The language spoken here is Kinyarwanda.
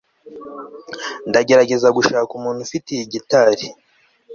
ndagerageza gushaka umuntu ufite iyi gitari